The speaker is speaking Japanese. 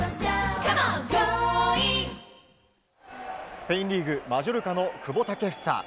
スペインリーグマジョルカの久保建英。